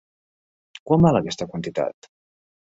Quant val aquesta quantitat?